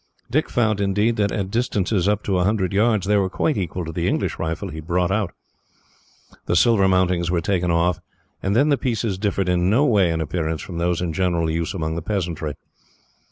Dick found, indeed, that at distances up to a hundred yards, they were quite equal to the English rifle he had brought out. The silver mountings were taken off, and then the pieces differed in no way, in appearance, from those in general use among the peasantry.